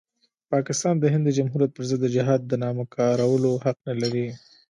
پاکستان د هند د جمهوریت پرضد د جهاد د نامه کارولو حق نلري.